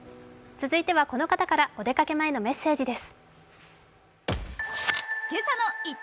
続いてはこの方からお出かけ前のメッセージです。